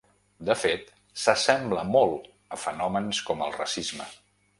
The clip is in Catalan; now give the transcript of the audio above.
De fet s’assembla molt a fenòmens com el racisme.